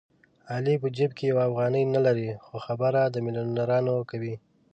علي په جېب کې یوه افغانۍ نه لري خو خبرې د مېلیونرانو کوي.